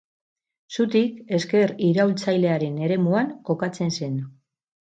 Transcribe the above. Zutik ezker iraultzailearen eremuan kokatzen zen.